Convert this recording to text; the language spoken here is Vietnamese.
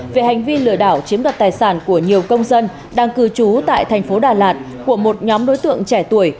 về hành vi lừa đảo chiếm đoạt tài sản của nhiều công dân đang cư trú tại thành phố đà lạt của một nhóm đối tượng trẻ tuổi